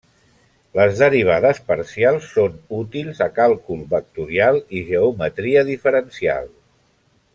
Les derivades parcials són útils a càlcul vectorial i geometria diferencial.